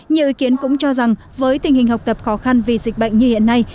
nhiều ý kiến cũng cho rằng với tình hình học tập khó khăn vì dịch bệnh như hiện nay